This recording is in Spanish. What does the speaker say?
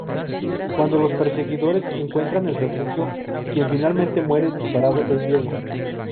Cuando los perseguidores encuentran el refugio, quien finalmente muere disparado es Diego.